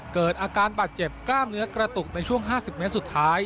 เกิดอาการบาดเจ็บกล้ามเนื้อกระตุกในช่วง๕๐เมตรสุดท้าย